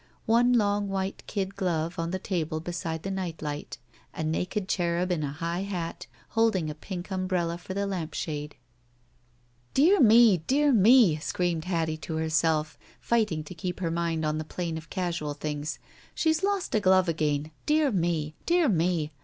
One long white kid glove on the table beside the night light. A naked cherub in a high hat, holding a pink umbrella for the lamp shade. Dear me! Dear me!" screamed Hattie to her self, fighting to keep her mind on the plane of casual things. " She's lost a glove again. Dear me! Dear me!